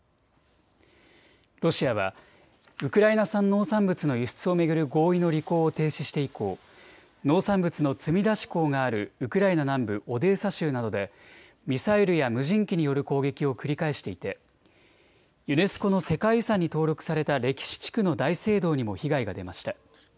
ロシアはウクライナ産農産物の輸出を巡る合意の履行を停止して以降、農産物の積み出し港があるウクライナ南部オデーサ州などでミサイルや無人機による攻撃を繰り返していてユネスコの世界遺産に登録された歴史地区の大聖堂にも被害が出ました。